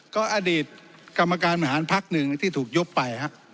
ก็อดีตกรรมการบริหารพักหนึ่งที่ถูกยกไป